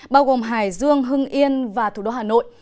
bao gồm hải dương hưng yên và thủ đô hà nội